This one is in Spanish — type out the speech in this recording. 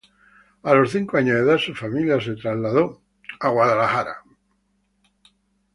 A los cinco años de edad su familia se trasladó a San Luis, Misuri.